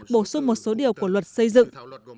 bổ sung một số điều của luật xây dựng